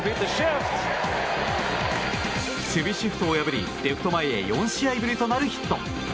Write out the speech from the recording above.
守備シフトを破り、レフト前に４試合ぶりとなるヒット。